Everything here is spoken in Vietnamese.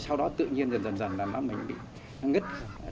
sau đó tự nhiên dần dần là mình bị ngất